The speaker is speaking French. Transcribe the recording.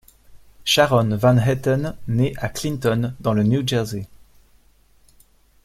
Sharon Van Etten naît à Clinton, dans le New Jersey.